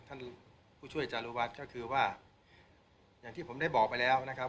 ท่านผู้ช่วยจารุวัฒน์ก็คือว่าอย่างที่ผมได้บอกไปแล้วนะครับ